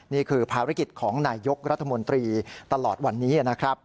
นี่คือภารกิจของนายยกรัฐมนตรีตลอดวันนี้นะครับ